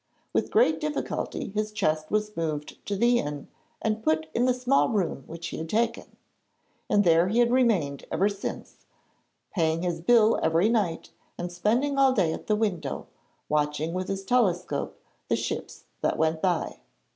With great difficulty his chest was moved to the inn and put in the small room which he had taken, and there he had remained ever since, paying his bill every night and spending all day at the window, watching with his telescope the ships that went by.